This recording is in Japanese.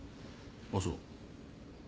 あっそう。